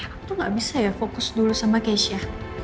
aku tuh nggak bisa ya fokus dulu sama keisha